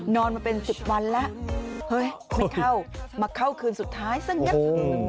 นอนมาเป็นสิบวันแล้วเฮ้ยไม่เข้ามาเข้าคืนสุดท้ายซักนิดโอ้โห